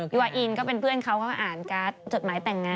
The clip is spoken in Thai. ยูอาร์อินก็เป็นเพื่อนเขาเขาอ่านการจดหมาย่งจดหมายแต่งงาน